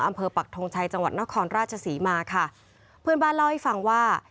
ปักทงชัยจังหวัดนครราชศรีมาค่ะเพื่อนบ้านเล่าให้ฟังว่า